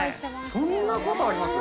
そんなことあります？